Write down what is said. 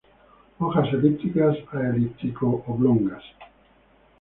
Hojas elípticas a elíptico-oblongas.